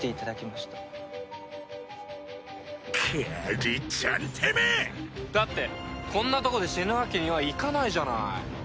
だってこんなとこで死ぬわけにはいかないじゃない。